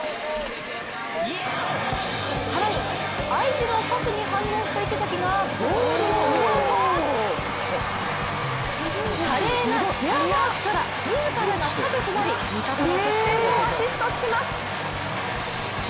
更に、相手のパスに反応した池崎がボールを奪うと華麗なチェアワークから自らが盾となり味方の得点をアシストします。